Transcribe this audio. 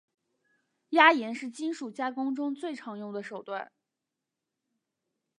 压延是金属加工中最常用的手段。